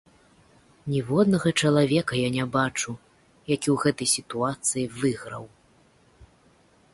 Ніводнага чалавека я не бачу, які ў гэтай сітуацыі выйграў.